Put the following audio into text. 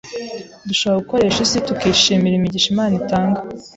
dushobora gukoresha isi tukishimira imigisha Imana itanga,